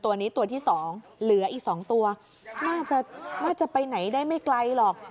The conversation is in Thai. ตัวนี้ตัวที่๒เหลืออีก๒ตัวน่าจะน่าจะไปไหนได้ไม่ไกลหรอก